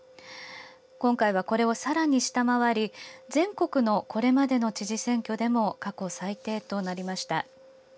今回はこれをさらに下回り全国のこれまでの知事選挙でも過去最低となりました。